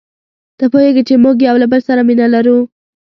ته پوهیږې چي موږ یو له بل سره مینه لرو.